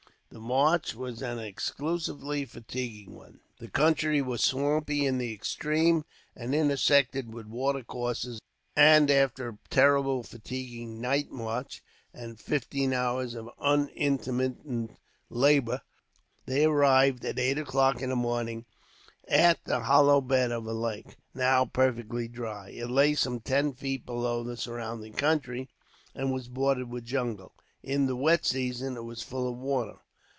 The march was an excessively fatiguing one. The country was swampy in the extreme, and intersected with watercourses; and, after a terribly fatiguing night march, and fifteen hours of unintermittent labour, they arrived, at eight o'clock in the morning, at the hollow bed of a lake, now perfectly dry. It lay some ten feet below the surrounding country, and was bordered with jungle. In the wet season it was full of water.